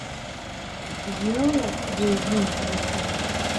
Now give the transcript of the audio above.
Геолог булғым килде